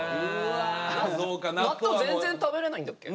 納豆全然食べれないんだっけ？